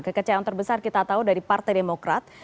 kekecewaan terbesar kita tahu dari partai demokrat